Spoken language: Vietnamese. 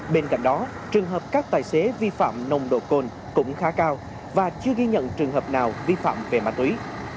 bên cạnh đó trường hợp các tài xế vi phạm nồng độ cồn cũng khá cao và chưa ghi nhận trường hợp nào vi phạm về ma túy